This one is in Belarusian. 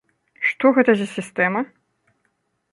Што гэта за сістэма?